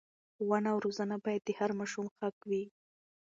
ښوونه او روزنه باید د هر ماشوم حق وي.